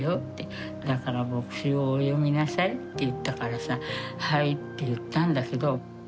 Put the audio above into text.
「だから墨子をお読みなさい」って言ったからさ「はい」って言ったんだけど。